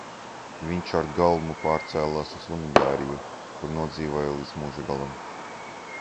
Viņš ar galmu pārcēlās uz Ungāriju, kur nodzīvoja līdz mūža galam.